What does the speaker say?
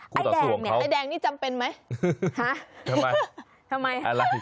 คุณต่อสู่ของเขาไอ้แดงนี่จำเป็นไหมฮะทำไมอะไร